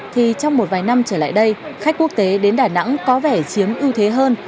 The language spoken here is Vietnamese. thì trong một vài năm trở lại đây khách quốc tế đến đà nẵng có vẻ chiếm ưu thế hơn